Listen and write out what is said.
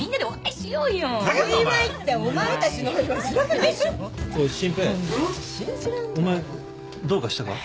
お前どうかしたか？